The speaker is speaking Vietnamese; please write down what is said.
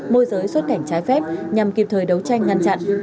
môi giới xuất cảnh trái phép nhằm kịp thời đấu tranh ngăn chặn